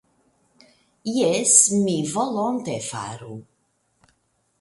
Jes, mi volonte faru.